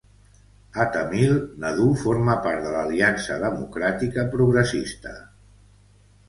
A Tamil, Nadu forma part de l'Aliança democràtica progressista.